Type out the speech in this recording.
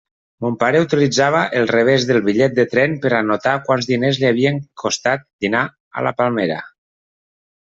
Mon pare utilitzava el revés del bitllet de tren per a anotar quants diners li havia costat dinar a La Palmera.